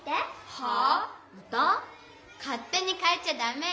かってにかえちゃだめよ。